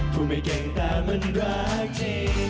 พูดไม่เก่งแต่มันรักจริง